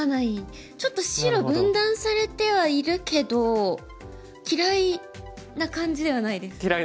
ちょっと白分断されてはいるけど嫌いな感じではないです